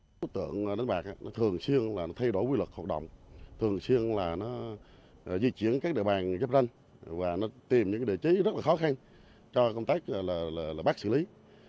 các đối tượng tham gia đánh bạc thường xuyên thay đổi quy luật hợp động thường xuyên di chuyển các địa bàn chấp tranh và tìm những địa chế rất khó khăn cho công tác bác xử lý